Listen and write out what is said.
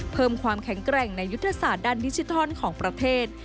เพิ่มความแข็งแกร่งในยุทธศาสตร์ด้านดิจิทัลของประเทศ